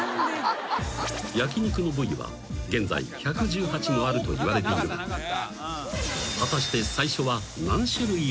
［焼肉の部位は現在１１８もあるといわれているが果たして］